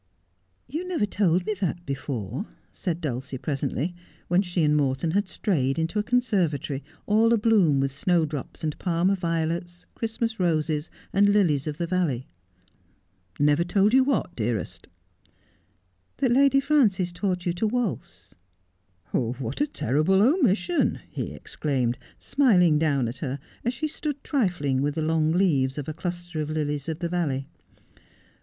' You never told me that before,' said Dulcie presently, when she and Morton had strayed into a conservatory all abloom with snowdrops and Parma violets, Christmas roses, and lilies of the valley. ' Never told you what, dearest 1 ' 140 Just as I Am. ' That Lady Frances taught you to waltz.' ' What a terrible omission !' he exclaimed, smiling down at her, as she stood trifling with the long leaves of a cluster of lilies of the valley.